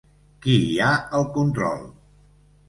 Qui hi ha al control?